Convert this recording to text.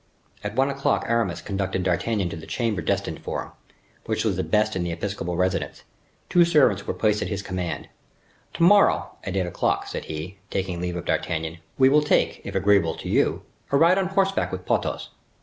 At one o'clock Aramis conducted D'Artagnan to the chamber destined for him, which was the best in the episcopal residence. Two servants were placed at his command. "To morrow, at eight o'clock," said he, taking leave of D'Artagnan, "we will take, if agreeable to you, a ride on horseback with Porthos."